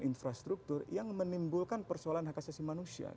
dan infrastruktur yang menimbulkan persoalan hak asasi manusia